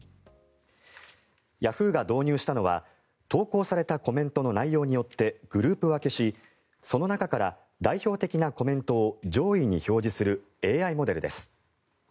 ヤフーが導入したのは投稿されたコメントの内容によってグループ分けしその中から代表的なコメントを上位に表示するＡＩモデルです。